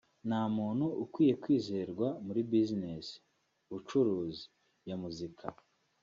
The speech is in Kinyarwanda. nta muntu ukwiye kwizerwa muri business(bucuruzi) ya muzika